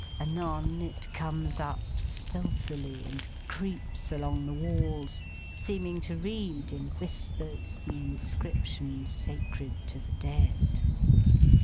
Anon, it comes up stealthily, and creeps along the walls, seeming to read, in whispers, the Inscriptions sacred to the Dead.